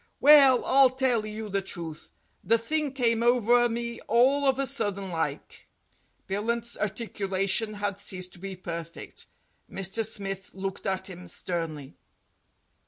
Well, I'll tell you the truth. The thing came over me all of a sudden like." Billunt's articulation had ceased to be perfect. Mr. Smith looked at him sternly.